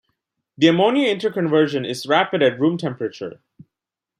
The ammonia interconversion is rapid at room temperature.